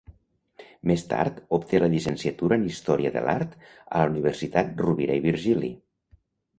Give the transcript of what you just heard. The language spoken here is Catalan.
Més tard, obté la llicenciatura en Història de l’Art a la Universitat Rovira i Virgili.